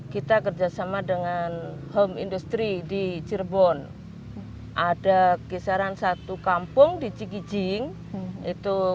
kita kerjasama dengan home industry di cirebon ada kisaran satu kampung di cikijing itu